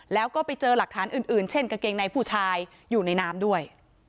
แล้วก็ไปเจอหลักฐานอื่นเช่นกางเกงในผู้ชายอยู่ในน้ำด้วย